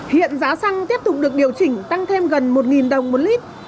hiện giá xăng tiếp tục được điều chỉnh tăng thêm gần một đồng một lít